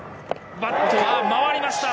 バットは回りました。